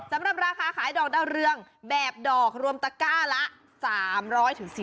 สำหรับราคาขายดอกได้เรื่องแบบดอกรวมตะกร้าละ๓๐๐๔๐๐บาท